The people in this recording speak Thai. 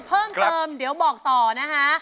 เพิ่มเติมเดี๋ยวบอกต่อนะคะ